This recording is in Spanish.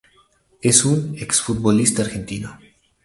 Es un exfutbolista argentino.